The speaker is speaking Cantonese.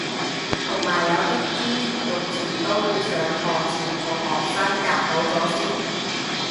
同埋有啲專業用詞都要上堂前同學生夾好咗先